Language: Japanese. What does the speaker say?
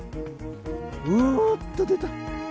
うおっと出た。